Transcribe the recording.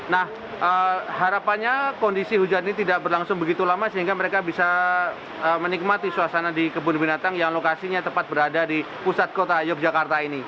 nah harapannya kondisi hujan ini tidak berlangsung begitu lama sehingga mereka bisa menikmati suasana di kebun binatang yang lokasinya tepat berada di pusat kota yogyakarta ini